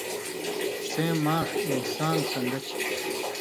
سیں ماݜ (انسان) سن٘دہ چھی۔